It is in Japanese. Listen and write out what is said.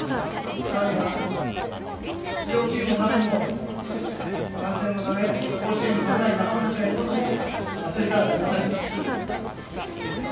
さらには出場チームの中にも感染のため甲子園に来られない仲間たちがいることも忘れてはなりません。